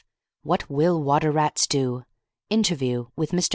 WHAT WILL WATER RATS DO? INTERVIEW WITH MR.